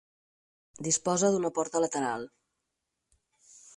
Disposa d'una porta lateral.